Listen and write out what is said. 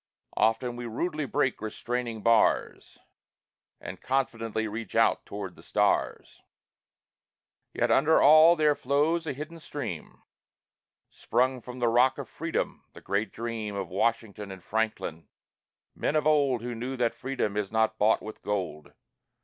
Often we rudely break restraining bars, And confidently reach out toward the stars. Yet under all there flows a hidden stream Sprung from the Rock of Freedom, the great dream Of Washington and Franklin, men of old Who knew that freedom is not bought with gold.